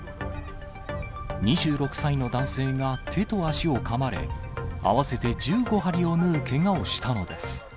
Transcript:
２６歳の男性が手と足をかまれ、合わせて１５針を縫うけがをしたのです。